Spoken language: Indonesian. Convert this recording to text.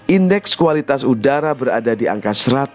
indeks kualitas udara berada di angka satu ratus lima puluh lima